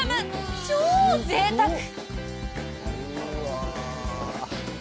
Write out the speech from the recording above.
超ぜいたく。